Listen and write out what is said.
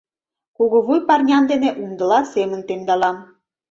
Кугувуй парням дене умдыла семын темдалам.